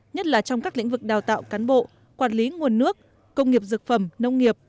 nhất là trong các lĩnh vực đào tạo cán bộ quản lý nguồn nước công nghiệp dược phẩm nông nghiệp